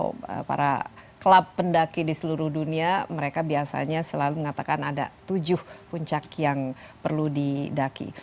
kalau para klub pendaki di seluruh dunia mereka biasanya selalu mengatakan ada tujuh puncak yang perlu didaki